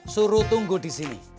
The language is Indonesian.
suruh tunggu disini